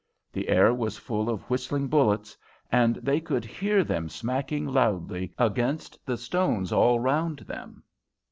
The air was full of whistling bullets, and they could hear them smacking loudly against the stones all round them.